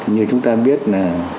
như chúng ta biết là